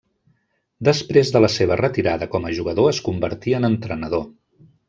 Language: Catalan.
Després de la seva retirada com a jugador es convertí en entrenador.